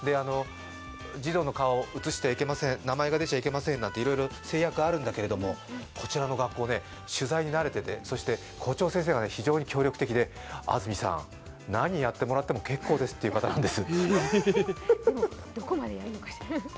児童の顔映してはいけません、名前が出てはいけませんといろいろ制約があるんだけれどもこちらの学校は取材に慣れててそして校長先生が非常に協力的で「安住さん、何やってもらっても結構です」っていう方なんですて。